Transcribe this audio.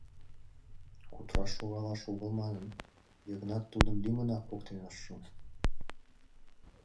Кутыраш шогалаш огыл манын, Йыгнат тудым лӱмынак поктен ыш шу.